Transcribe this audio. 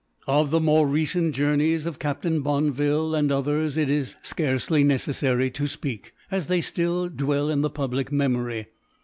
Of the more recent journeys of Captain Bonneville and others it is scarcely necessary to speak, as they still dwell in the public memory.